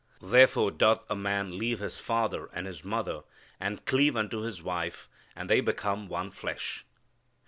Therefore doth a man leave his father and his mother and cleave unto his wife, and they become one flesh."